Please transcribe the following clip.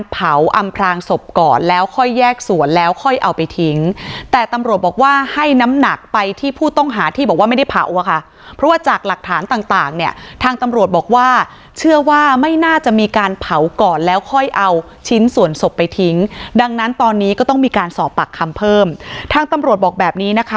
อำพลางศพก่อนแล้วค่อยแยกส่วนแล้วค่อยเอาไปทิ้งแต่ตำรวจบอกว่าให้น้ำหนักไปที่ผู้ต้องหาที่บอกว่าไม่ได้เผาอะค่ะเพราะว่าจากหลักฐานต่างต่างเนี่ยทางตำรวจบอกว่าเชื่อว่าไม่น่าจะมีการเผาก่อนแล้วค่อยเอาชิ้นส่วนศพไปทิ้งดังนั้นตอนนี้ก็ต้องมีการสอบปากคำเพิ่มทางตำรวจบอกแบบนี้นะคะ